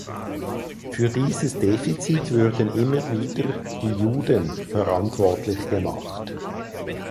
Für dieses Defizit würden immer wieder „die Juden“ verantwortlich gemacht.